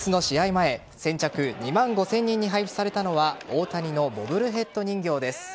前先着２万５０００人に配布されたのは大谷のボブルヘッド人形です。